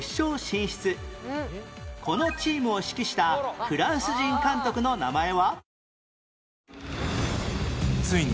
このチームを指揮したフランス人監督の名前は？